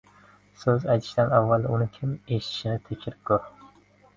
• So‘z aytishdan avval uni kim eshitishini tekshirib ko‘r.